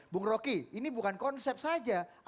bung roky ini bukan konsep saja